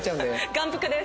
眼福です。